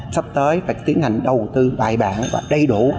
sắp tới phải tiến hành đầu tư bài bản và đầy đủ